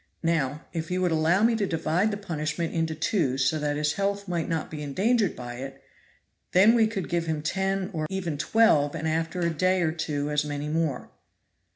Now, if you would allow me to divide the punishment into two so that his health might not be endangered by it, then we could give him ten or even twelve, and after a day or two as many more."